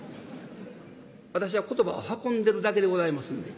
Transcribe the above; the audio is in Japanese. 私は言葉を運んでるだけでございますんで」。